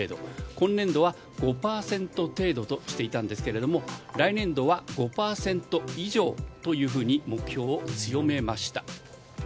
今年度は５％程度としていたんですが来年度は５％以上というふうに目標を強めました。